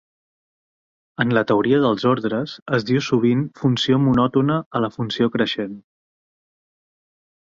En la teoria dels ordres, es diu sovint funció monòtona a la funció creixent.